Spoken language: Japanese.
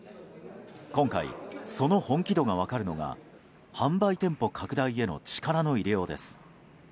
今回、その本気度が分かるのが販売店舗拡大への力の入れようです。